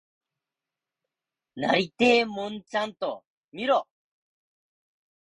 なりてえもんちゃんと見ろ！